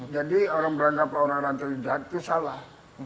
jadi orang belanda atau orang rantai jahat itu salah